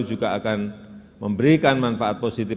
juga akan memberikan manfaat positif